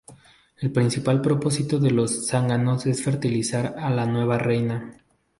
El principal propósito de los zánganos es fertilizar a la nueva reina.